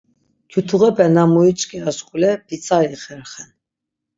Kyutuğepe na muiç̌ǩira şkule, pitsari ixerxen.